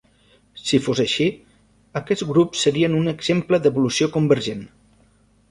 Si fos així, aquests grups serien un exemple d'evolució convergent.